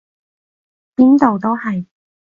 邊度都係！